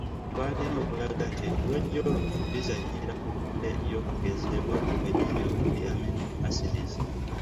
Twalina okulaga nti ebiwojjolo bizannyira ku ttule y’okugezebwa kwennyini okuli amino asidizi.